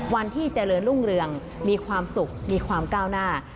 วันที่เจริญรุ่งเรืองมีความสุขมีความก้าวหน้า